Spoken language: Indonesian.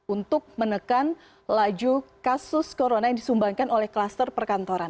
untuk menekan laju kasus corona yang disumbangkan oleh kluster perkantoran